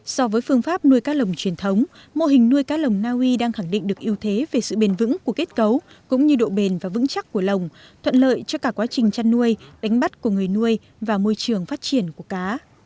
so với phương pháp nuôi cá lồng truyền thống mô hình nuôi cá lồng naui đang khẳng định được ưu thế về sự bền vững của kết cấu cũng như độ bền và vững chắc của lồng thuận lợi cho cả quá trình chăn nuôi đánh bắt của người nuôi và môi trường phát triển của cá